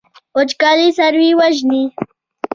وچکالي څاروي وژني.